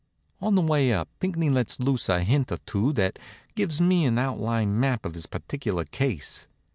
On the way up Pinckney lets loose a hint or two that gives me an outline map of his particular case.